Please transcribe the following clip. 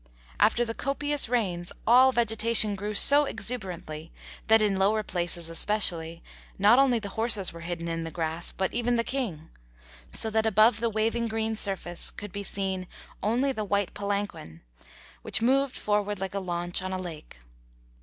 After the copious rains all vegetation grew so exuberantly that, in lower places especially, not only the horses were hidden in the grass, but even the King; so that above the waving green surface could be seen only the white palanquin, which moved forward like a launch on a lake.